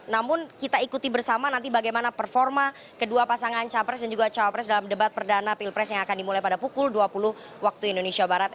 namun kita ikuti bersama nanti bagaimana performa kedua pasangan capres dan juga cawapres dalam debat perdana pilpres yang akan dimulai pada pukul dua puluh waktu indonesia barat